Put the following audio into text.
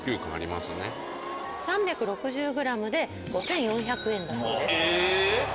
３６０ｇで５４００円だそうです。えっ！？